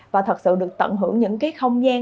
và thật sự được tận hưởng những cái không gian